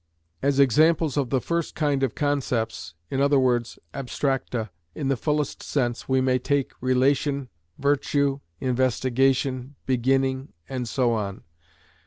As examples of the first kind of concepts, i.e., abstracta in the fullest sense, we may take "relation," "virtue," "investigation," "beginning," and so on.